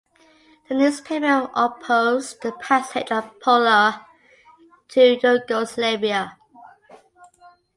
The newspaper opposed the passage of Pola to Yugoslavia.